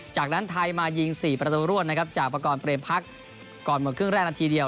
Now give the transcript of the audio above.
จากนั้นไทยมายิง๔ประตูรวดนะครับจากประกอบเรมพักก่อนหมดครึ่งแรกนาทีเดียว